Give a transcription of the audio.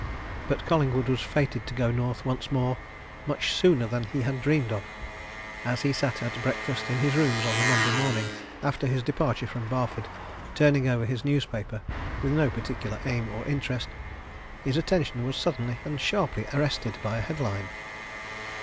But Collingwood was fated to go North once more much sooner than he had dreamed of. As he sat at breakfast in his rooms on the Monday morning after his departure from Barford, turning over his newspaper with no particular aim or interest, his attention was suddenly and sharply arrested by a headline.